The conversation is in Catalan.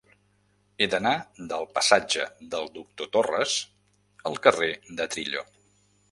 He d'anar del passatge del Doctor Torres al carrer de Trillo.